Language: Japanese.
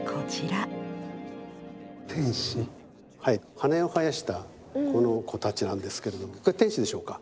羽を生やしたこの子たちなんですけれども天使でしょうか？